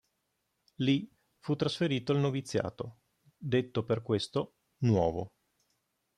Lì fu trasferito il noviziato, detto per questo "nuovo".